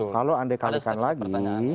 kalau anda kalikan lagi